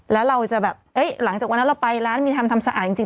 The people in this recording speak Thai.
แล้วเราจะแบบหลังจากวันนั้นเราไปร้านมีทำทำสะอาดจริง